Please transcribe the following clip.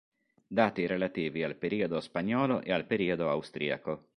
Dati relativi al periodo spagnolo e al periodo austriaco.